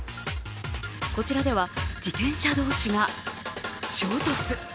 こちらでは、自転車同士が衝突。